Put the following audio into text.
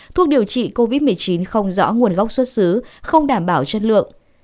thuốc điều trị covid một mươi chín không rõ nguồn gốc xuất xứ không đảm bảo chất lượng